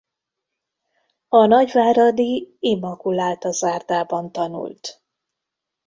A nagyváradi Immaculata-zárdában tanult.